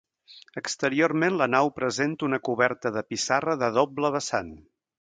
Exteriorment la nau presenta una coberta de pissarra de doble vessant.